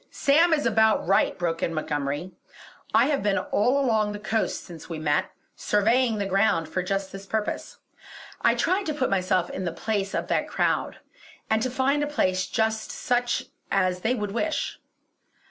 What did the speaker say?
"Sam is about right!" broke in Montgomery "I have been all along the coast since we met, surveying the ground for just this purpose. I tried to put myself in the place of that crowd, and to find a place just such as they would wish.